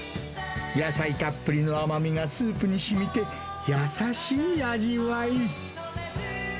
野菜たっぷりの甘みがスープにしみて、優しい味わい。